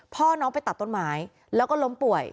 พ่อน้องไปตัดต้นไม้แล้วก็ล้มป่วย